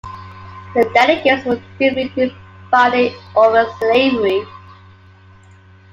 The delegates were deeply divided over slavery.